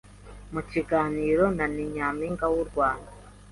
Mu kiganiro na ni nyampinga w'urwanda